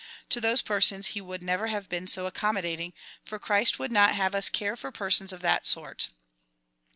To those persons he would never have been so accommodat ing, for Christ would not have us care for persons of that sort.